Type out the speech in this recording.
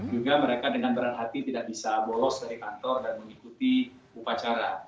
juga mereka dengan berat hati tidak bisa bolos dari kantor dan mengikuti upacara